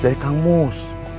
dari kang mus